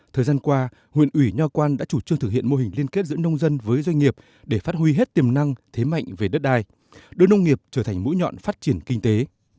thời gian qua huyện ủy nho quan đã chủ trương thực hiện mô hình liên kết giữa nông dân với doanh nghiệp để phát huy hết tiềm năng thế mạnh về đất đai đưa nông nghiệp trở thành mũi nhọn phát triển kinh tế